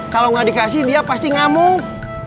kalau nggak dikasih dia pasti ngamuk